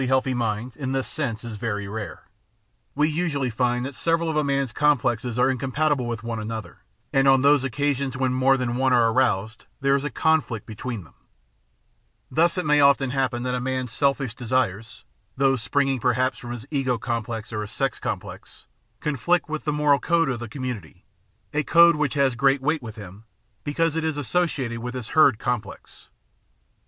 CHILD WITH A CHRONOSCOPK Ti The Science of the Mind 555 healthy mind, in this sense, is very rare; we usually find that sev eral of a man's complexes are incompatible with one another, and on those occasions when more than one are aroused there is con flict between them. Thus it may often happen that a man's "selfish" desires, those springing perhaps from his ego complex or his sex complex, conflict with the moral code of the com munity, a code which has great weight with him because it is associated with his herd complex.